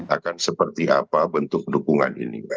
akan seperti apa bentuk dukungan ini